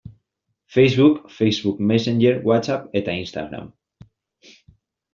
Facebook, Facebook Messenger, Whatsapp eta Instagram.